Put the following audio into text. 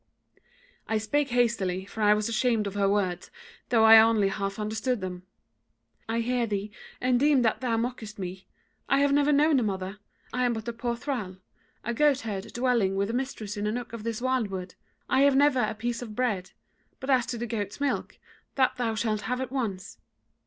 "I spake hastily, for I was ashamed of her words, though I only half understood them: 'I hear thee and deem that thou mockest me: I have never known a mother; I am but a poor thrall, a goatherd dwelling with a mistress in a nook of this wildwood: I have never a piece of bread; but as to the goats' milk, that thou shalt have at once.'